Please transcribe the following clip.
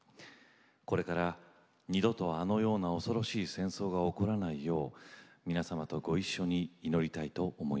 これから二度とあのような恐ろしい戦争が起こらないよう皆様とご一緒に祈りたいと思います。